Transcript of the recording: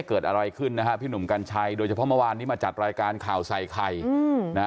เกิดอะไรขึ้นนะฮะพี่หนุ่มกัญชัยโดยเฉพาะเมื่อวานนี้มาจัดรายการข่าวใส่ไข่นะฮะ